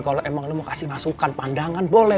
kalo emang lu mau kasih masukan pandangan boleh